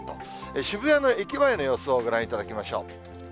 渋谷の駅前の様子をご覧いただきましょう。